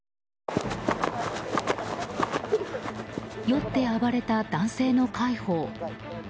酔って暴れた男性の介抱。